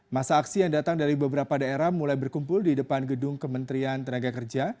masa aksi yang datang dari beberapa daerah mulai berkumpul di depan gedung kementerian tenaga kerja